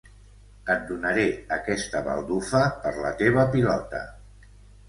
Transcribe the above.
Et donaré aquesta baldufa per la teva pilota.